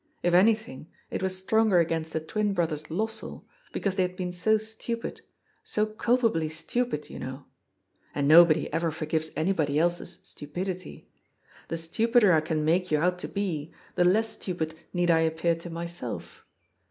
If any thing, it was stronger against the twin brothers Lossell, be cause they had been so stupid, so culpably stupid, you know. And nobody ever forgives anybody else's stupidity. The stupider I can make you out to be, the less stupid need I appear to myself.